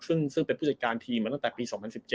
ซึ่งเป็นผู้จัดการทีมมาตั้งแต่ปี๒๐๑๗